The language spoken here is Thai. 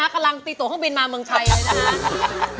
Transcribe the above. กำลังตีตัวข้างบินมาเมืองไทยเลยนะฮะ